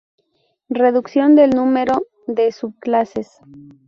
Reducción del número de subclases.